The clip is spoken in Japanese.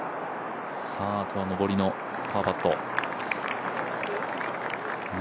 あとは上りのパーパット。